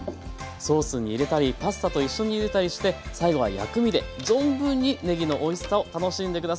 ソースに入れたりパスタと一緒にゆでたりして最後は薬味で存分にねぎのおいしさを楽しんで下さい。